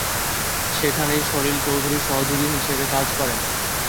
সেখানেই সলিল চৌধুরীর সহযোগী হিসেবে কাজ করেন।